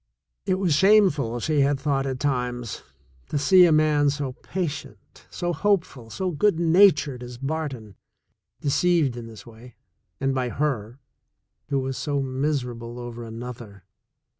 It was shameful, she had thought at times, to see a man so patient, so hopeful, so good natured as Barton, deceived in this way, and by her, who was so miserable over another.